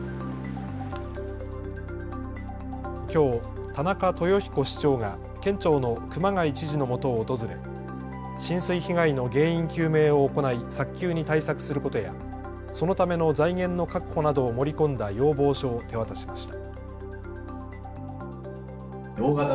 きょう田中豊彦市長が県庁の熊谷知事のもとを訪れ浸水被害の原因究明を行い早急に対策することやそのための財源の確保などを盛り込んだ要望書を手渡しました。